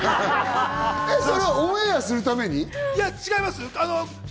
それ、オンエアするために？違います。